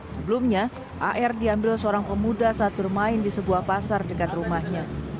sebelumnya ar diambil seorang pemuda saat bermain di sebuah pasar dekat rumahnya